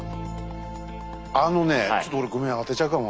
あのねちょっと俺ごめん当てちゃうかも。